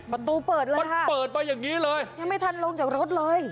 ประตูเปิดเลยค่ะยังไม่ทันลงจากรถเลยมันเปิดไปอย่างนี้เลย